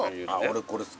俺これ好き。